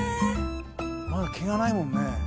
まだ毛がないもんね。